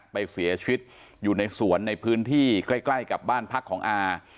ไปเสียชีวิตอยู่ในสวนในพื้นที่ใกล้กับบ้านพักของอา